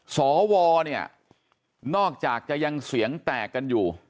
สวเนี่ยนอกจากจะยังเสียงแตกกันอยู่